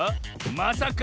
まさか？